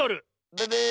ブブー！